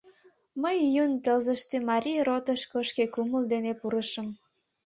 Мый июнь тылзыште марий ротышко шке кумыл дене пурышым.